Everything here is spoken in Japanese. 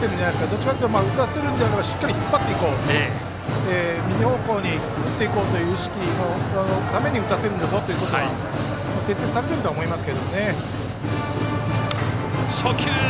どちらかというと打たせるのではなくしっかり引っ張っていこう右方向に打っていこうという意識のために打たせるんだぞということは徹底されているとは思います。